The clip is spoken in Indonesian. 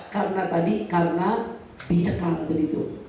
karena tadi karena dicekal